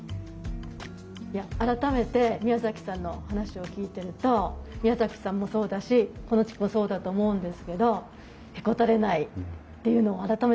いや改めて宮さんの話を聞いてると宮さんもそうだしこの地区もそうだと思うんですけどへこたれないっていうのを改めて思いました。